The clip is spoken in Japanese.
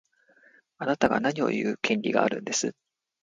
あなたが何を言う権利があるんです。